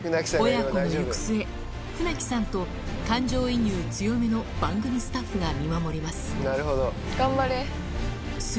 親子の行く末、船木さんと感情移入強めの番組スタッフが見守ります。